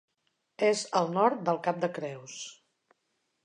És al nord del Cap de Creus.